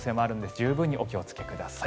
十分にお気をつけください。